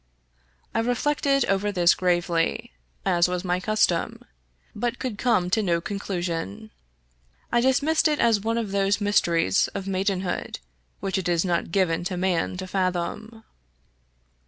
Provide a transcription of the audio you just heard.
I reflected over this gravely, as was my custom, but could come to no conclusion. I dismissed it as one of those mys teries of maidenhood which it is not given to man to fathom.